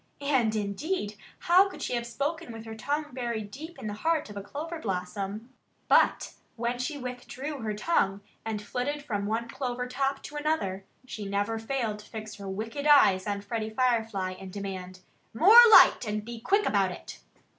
And indeed, how could she have spoken with her tongue buried deep in the heart of a clover blossom? But when she withdrew her tongue and flitted from one clover top to another, she never failed to fix her wicked eyes on Freddie Firefly and demand "more light and be quick about it!"